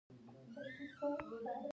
او ورسره پټن چوي.